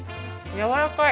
やわらかい！